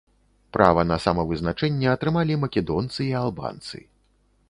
Права на самавызначэнне атрымалі македонцы і албанцы.